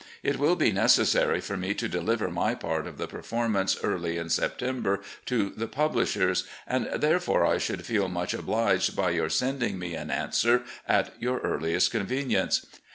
It will be necessary for me to deliver my part of the performance early in September to the publishers, and, therefore, I should feel much obliged by your sending me an answer at your earliest convenience.